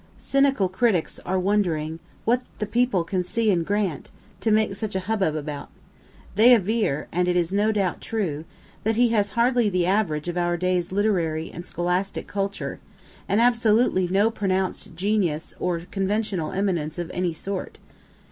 Cynical critics are wondering "what the people can see in Grant" to make such a hubbub about. They aver (and it is no doubt true) that he has hardly the average of our day's literary and scholastic culture, and absolutely no pronounc'd genius or conventional eminence of any sort.